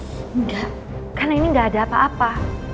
enggak karena ini gak ada apa apa